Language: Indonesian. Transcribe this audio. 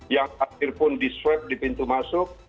yang akhir pun di sweep di pintu masuk